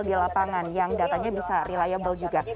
di lapangan yang datanya bisa reliable juga